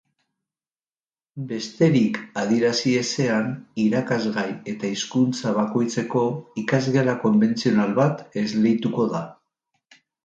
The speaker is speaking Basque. Besterik adierazi ezean, irakasgai eta hizkuntza bakoitzeko ikasgela konbentzional bat esleituko da.